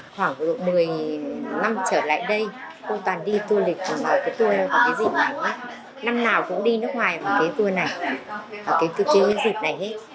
khoảng một mươi năm trở lại đây cô toàn đi tour lịch vào cái tour này vào cái dịp này năm nào cũng đi nước ngoài vào cái tour này vào cái cơ chế dịch này hết